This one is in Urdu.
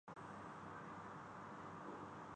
گرنے کی اجازت نہیں دی جاتی ہے